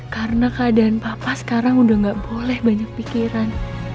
karena keadaan papa sekarang udah gak boleh banyak pikiran